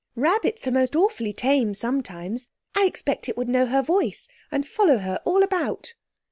"Rabbits are most awfully tame sometimes. I expect it would know her voice and follow her all about."